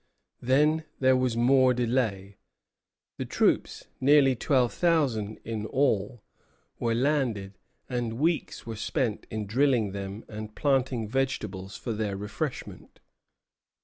Then there was more delay. The troops, nearly twelve thousand in all, were landed, and weeks were spent in drilling them and planting vegetables for their refreshment.